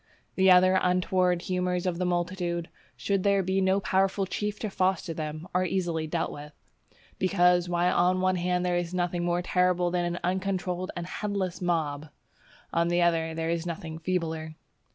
The other untoward humours of the multitude, should there be no powerful chief to foster them, are easily dealt with; because, while on the one hand there is nothing more terrible than an uncontrolled and headless mob, on the other, there is nothing feebler.